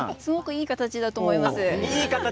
いい形だと思います。